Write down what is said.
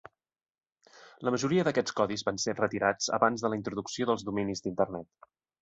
La majoria d'aquests codis van ser retirats abans de la introducció dels dominis d'internet.